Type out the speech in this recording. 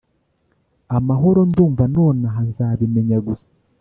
amahoro ndumva nonaha nzabimenya gusa.